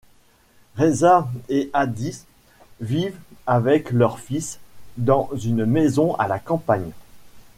Reza et Hadis vivent avec leur fils dans une maison à la campagne.